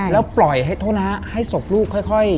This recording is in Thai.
แล้วปล่อยให้สบลูกค่อย